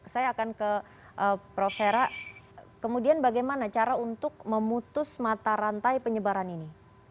saya akan ke prof hera kemudian bagaimana cara untuk memutus mata rantai penyebaran ini